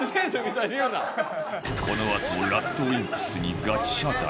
このあと ＲＡＤＷＩＭＰＳ にガチ謝罪